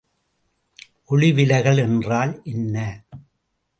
ஒளிவிலகல் என்றால் என்ன?